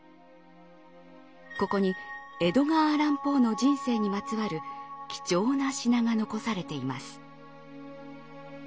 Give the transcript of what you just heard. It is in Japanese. ここにエドガー・アラン・ポーの人生にまつわる貴重な品が残されています。